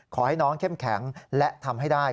ขอให้น้องเข้มแข็งและทำให้ได้